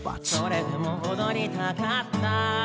「それでも踊りたかった」